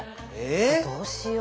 どうしよう。